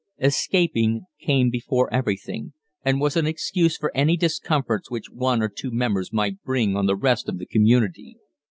Escaping came before everything, and was an excuse for any discomforts which one or two members might bring on the rest of the community.